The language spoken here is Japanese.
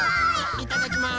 いただきます！